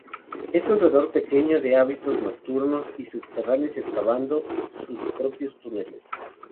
Es un roedor pequeño, de hábitos nocturnos y subterráneos, excavando sus propios túneles.